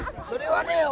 それはね